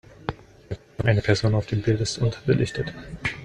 Eine Person auf dem Bild ist unterbelichtet.